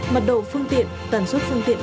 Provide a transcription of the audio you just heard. mật độ phương tiện tần suất phương tiện